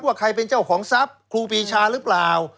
ว่าใครเป็นเจ้าของทรัพย์ครูปีชาหรือเปล่า